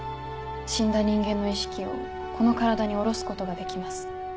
死んだ人間の意識をこの体に降ろすことができます。